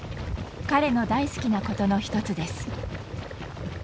彼の大好きなことの一つです。